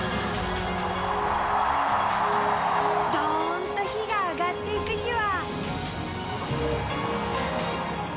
ドーンと火が上がって行くじわ。